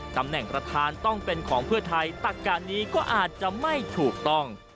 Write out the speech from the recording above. ตำแหน่งประธานต้องเป็นของเพื่อไทยตักกะนี้ก็อาจจะไม่ถูกต้อง